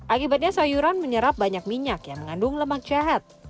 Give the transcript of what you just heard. akibatnya sayuran menyerap banyak minyak yang mengandung lemak jahat